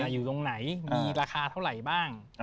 อยู่ตรงไหนมีราคาเท่าไหร่บ้าง